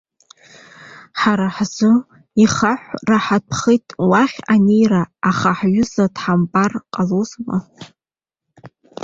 Ҳара ҳзы ихаҳәраҳатәхеит уахь анеира, аха ҳҩыза дҳамбар ҟалозма.